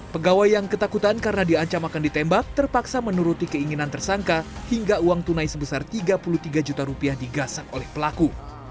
pegawai yang ketakutan karena diancam akan ditembak terpaksa menuruti keinginan tersangka hingga uang tunai sebesar tiga puluh tiga juta rupiah digasak oleh pelaku